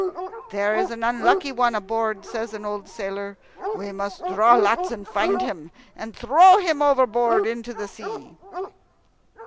"There is an unlucky one aboard," says an old sailor. "We must draw lots and find him, and throw him overboard into the sea."